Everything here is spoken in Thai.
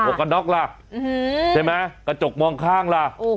กระน็อกล่ะใช่ไหมกระจกมองข้างล่ะ